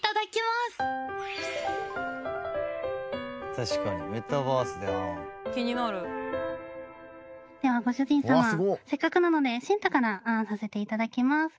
「確かにメタバースで“あん”」「気になる」ではご主人様せっかくなので深汰からあんさせて頂きます。